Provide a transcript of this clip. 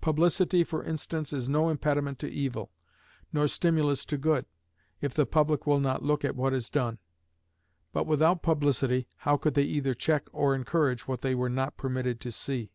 Publicity, for instance, is no impediment to evil, nor stimulus to good, if the public will not look at what is done; but without publicity, how could they either check or encourage what they were not permitted to see?